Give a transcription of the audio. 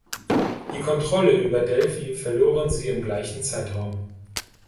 Die Kontrolle über Delphi verloren sie im gleichen Zeitraum.